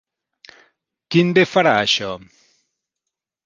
Quin bé farà això?